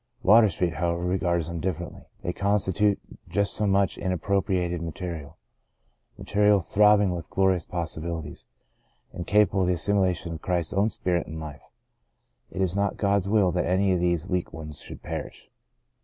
Water Street, however, regards them differ ently. They constitute just so much misap propriated material — material throbbing with glorious possibilities, and capable of the as similation of Christ's own spirit and life. It is not God's will that any of these weak ones should perish.